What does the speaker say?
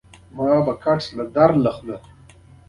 یعني پر جاپلاک یې له ګټلو څخه وروسته تر لسو لیرو کمې ایښي وې.